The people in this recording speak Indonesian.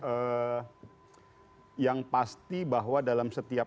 eee yang pasti bahwa dalam setiap